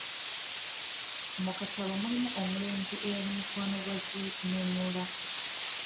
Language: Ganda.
Mu katabo mulimu omulenzi eyali mukwano gwa Zinunula.